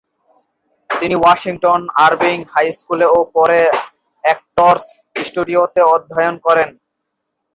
তিনি Washington Irving high স্কুলে ও পরে অ্যাক্টরস স্টুডিওতে অধ্যয়ন করেন।